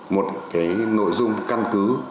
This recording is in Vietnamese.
một cái nội dung căn cứ